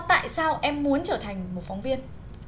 tại sao em muốn trở thành một phóng viên